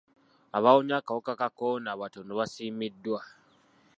Abaawonye akawuka ka kolona abatono basiimiddwa.